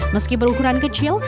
meski berukuran kecil